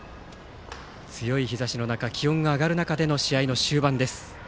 強い日ざしの中気温が上がる中での試合の終盤。